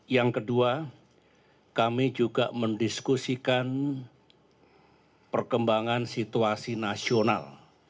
yang kedua kami juga mendiskusikan perkembangan situasi nasional